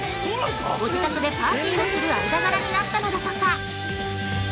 ご自宅でパーティーをする間柄になったのだとか。